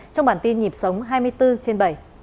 trong bản tin nhịp sống hai mươi bốn trên bảy